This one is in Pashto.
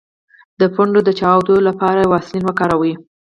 د پوندو د چاودیدو لپاره ویزلین وکاروئ